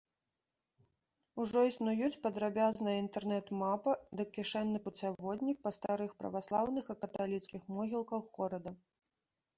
Ужо існуюць падрабязная інтэрнэт-мапа ды кішэнны пуцяводнік па старых праваслаўных і каталіцкіх могілках горада.